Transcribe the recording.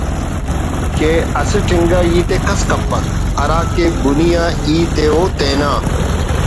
کہ اسٹ انگا ہیت ءِ کس کپک ہرا کہ بُنی آ ہیت ءِ او تینا